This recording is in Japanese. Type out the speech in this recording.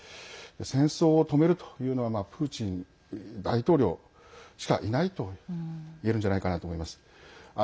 戦争を止めるというのはプーチン大統領しかいないといえるんじゃないかなと思います。